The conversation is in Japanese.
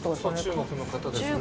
中国の方ですね。